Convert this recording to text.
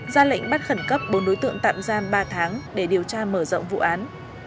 ra lệnh bắt khẩn cấp bốn đối tượng tạm giam ba tháng để điều tra mở rộng vụ án